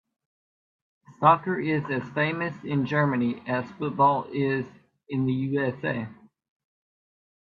Soccer is as famous in Germany as football is in the USA.